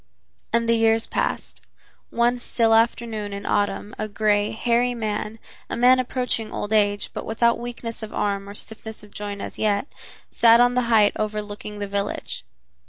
And the years passed. One still afternoon in autumn a gray, hairy man, a man approaching old age, but without weakness of arm or stiffness of joint, as yet, sat on the height overlooking the village.